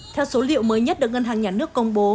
theo số liệu mới nhất được ngân hàng nhà nước công bố